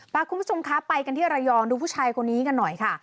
คุณผู้ชมคะไปกันที่ระยองดูผู้ชายคนนี้กันหน่อยค่ะ